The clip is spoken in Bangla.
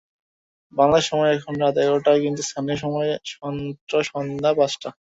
বাংলাদেশ সময় এখন রাত এগারোটা, কিন্তু স্থানীয় সময় মাত্র সন্ধ্যা পাঁচটা।